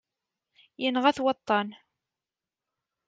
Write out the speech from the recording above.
Yenɣa-t waṭṭan.